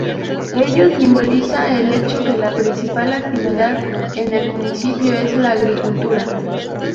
Ello simboliza el hecho que la principal actividad en el municipio es la agricultura.